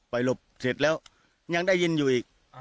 หลบเสร็จแล้วยังได้ยินอยู่อีก